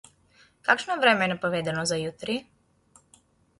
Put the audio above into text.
Kakšno vreme je napovedano za jutri?